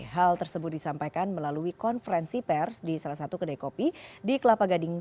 hal tersebut disampaikan melalui konferensi pers di salah satu kedai kopi di kelapa gading